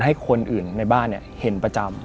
ให้คนอื่นในบ้านเห็นประจำ